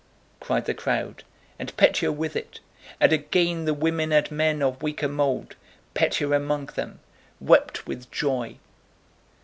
cried the crowd, and Pétya with it, and again the women and men of weaker mold, Pétya among them, wept with joy.